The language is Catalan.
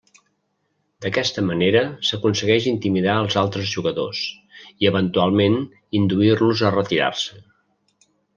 D'aquesta manera s'aconsegueix intimidar els altres jugadors, i eventualment induir-los a retirar-se.